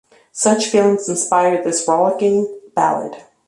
Such feelings inspired this rollicking ballad.